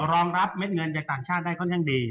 รองรับเม็ดเงินจากต่างชาติได้ค่อนข้างดี